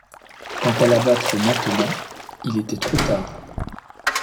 Quant à l’abattre maintenant, il était trop tard.